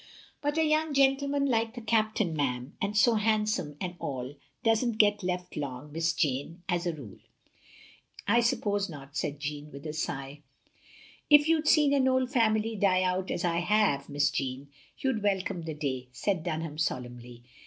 But a young gentleman like the Captain, ma'am, and so handsome and all, does n't get left long. Miss Jane, as a rule. "" I suppose not, " said Jeanne, with a sigh. " If you'd seen an old family die out as I have. Miss Jeanne, you 'd welcome the day," said Dun ham, solemnly.